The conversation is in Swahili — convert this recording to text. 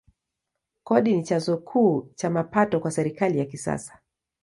Kodi ni chanzo kuu cha mapato kwa serikali ya kisasa.